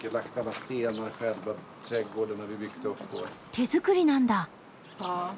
手作りなんだ！